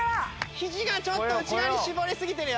ひじがちょっと内側に絞りすぎてるよ。